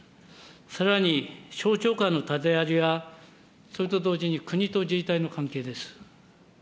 さらに、省庁間の縦割りや、それと同時に国と自治体の関係です。